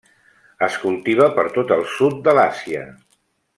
Es cultiva per tot el sud de l'Àsia: